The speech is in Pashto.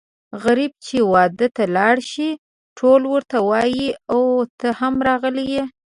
غريب چې واده ته لاړ شي ټول ورته وايي اووی ته هم راغلی یې.